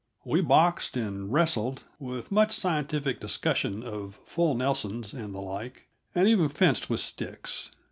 We boxed and wrestled, with much scientific discussion of "full Nelsons" and the like, and even fenced with sticks.